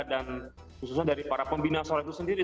dan khususnya dari para pembina sora itu sendiri